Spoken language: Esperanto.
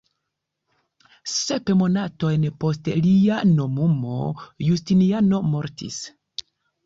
Sep monatojn post lia nomumo Justiniano mortis.